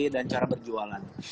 dan cara berjualan